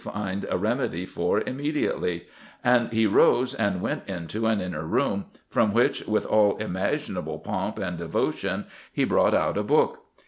17 find a remedy for immediately ; and he rose and went into an inner room, from which with all imaginable pomp and devotion he brought out a book.